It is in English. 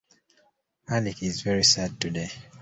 Hardik is very sad today.